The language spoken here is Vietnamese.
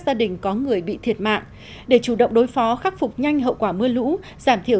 gia đình có người bị thiệt mạng để chủ động đối phó khắc phục nhanh hậu quả mưa lũ giảm thiểu